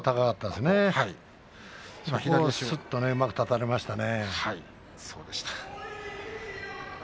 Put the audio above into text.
すっとうまく立たれましたね。